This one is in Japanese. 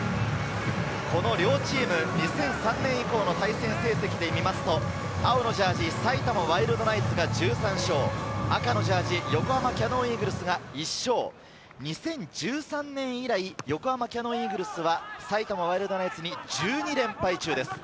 両チーム、２００３年以降の対戦成績で見ますと、青のジャージー・埼玉ワイルドナイツが１３勝、赤のジャージー・横浜キヤノンイーグルスが１勝、２０１３年以来、横浜キヤノンイーグルスは、埼玉ワイルドナイツに１２連敗中です。